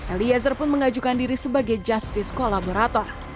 eliezer pun mengajukan diri sebagai justice kolaborator